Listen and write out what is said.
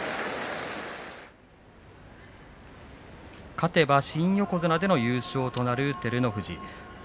勝てば新横綱での優勝となる照ノ富士。